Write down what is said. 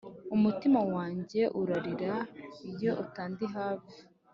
umutima wanjye urarira iyo utandi hafi